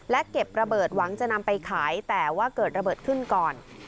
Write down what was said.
และเก็บระเบิดหวังจะนำไปขายแต่ว่าเกิดระเบิดขึ้นก่อน